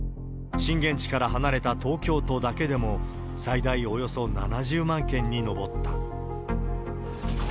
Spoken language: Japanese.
震源地から離れた東京都だけでも、最大およそ７０万軒に上った。